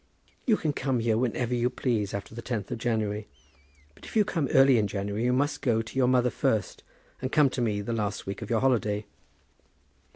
You can come here whenever you please after the tenth of January. But if you come early in January you must go to your mother first, and come to me for the last week of your holiday.